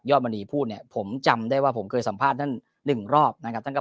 ยอบมณีพูดเนี่ยผมจำได้ว่าผมเคยสัมภาษณ์นึงรอบนะก็